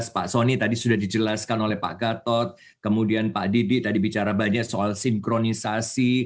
pak soni tadi sudah dijelaskan oleh pak gatot kemudian pak didi tadi bicara banyak soal sinkronisasi